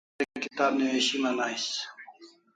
Se kitab newishiman ais